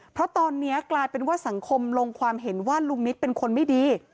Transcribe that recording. เพราะตอนนี้กลายเป็นว่าสังคมลงความเห็นว่าลุงนิตเป็นคนไม่ดี